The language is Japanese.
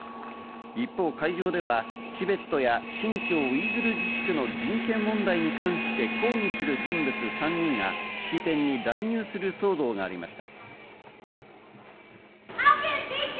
一方、会場ではチベットや新疆ウイグル自治区の人権問題に関して抗議する人物３人が式典に乱入する騒動がありました。